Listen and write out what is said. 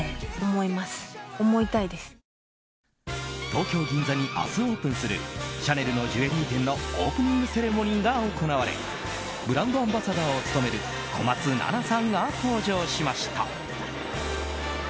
東京・銀座に明日オープンするシャネルのジュエリー店のオープニングセレモニーが行われブランドアンバサダーを務める小松菜奈さんが登場しました。